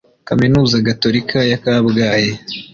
kaminuza gatolika ya kabgayi